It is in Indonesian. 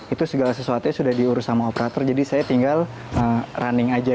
itu segala sesuatunya udah di urus sama operator jadi saya tinggal running aja